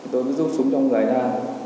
tôi cứ rút súng trong giấy nha